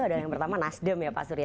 adalah yang pertama nasdem ya pak surya